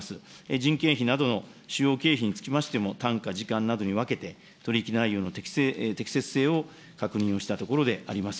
人件費などの主要経費につきましても、単価、時間などに分けて、取り引き内容の適切性を確認をしたところであります。